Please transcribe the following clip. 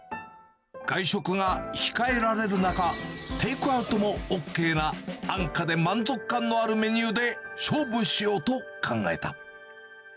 外食が控えられる中、テイクアウトもＯＫな安価で満足感のあるメニューで勝負しようと考えた。